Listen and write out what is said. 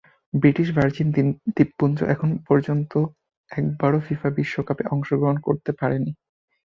British Virgin দ্বীপপুঞ্জ এপর্যন্ত একবারও ফিফা বিশ্বকাপে অংশগ্রহণ করতে পারেনি।